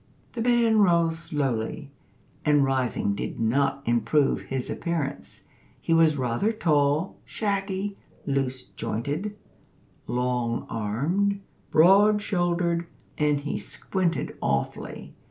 The man rose slowly, and rising did not improve his appearance. He was rather tall, shaggy, loose jointed, long armed, broad shouldered, and he squinted awfully.